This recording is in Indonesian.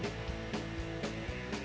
jelas diterapkan dalam sistem perusahaan